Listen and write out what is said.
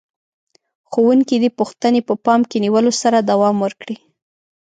ښوونکي دې پوښتنې په پام کې نیولو سره دوام ورکړي.